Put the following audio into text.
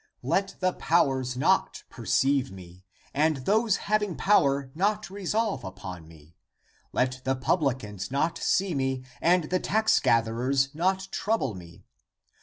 <Let the powers not perceive me, and those having power not resolve upon me ; let the publicans not see me and the tax gatherers not trouble me